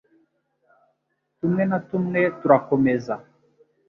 tumwe na tumwe turakomeza